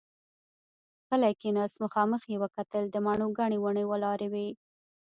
غلی کېناست، مخامخ يې وکتل، د مڼو ګنې ونې ولاړې وې.